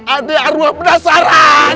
ada yang arwah penasaran